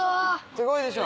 すごいでしょ？